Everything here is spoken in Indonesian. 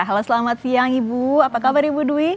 halo selamat siang ibu apa kabar ibu dwi